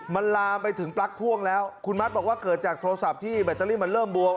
มันลามไปถึงปลั๊กพ่วงแล้วคุณมัดบอกว่าเกิดจากโทรศัพท์ที่แบตเตอรี่มันเริ่มบวม